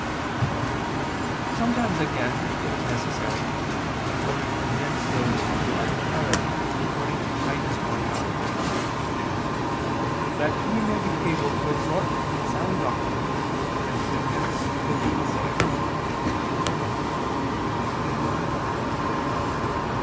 Sometimes again, it is necessary, in order to convince those who are in error, according to Titus 1:9: "That he may be able to exhort in sound doctrine and to convince the gainsayers."